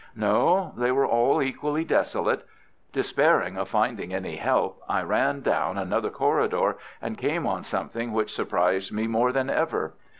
No, they were all equally desolate. Despairing of finding any help, I ran down another corridor, and came on something which surprised me more than ever.